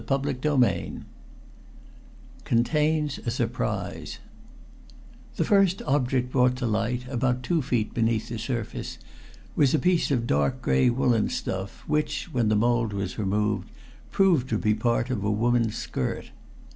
CHAPTER VII CONTAINS A SURPRISE The first object brought to light, about two feet beneath the surface, was a piece of dark gray woolen stuff which, when the mold was removed, proved to be part of a woman's skirt.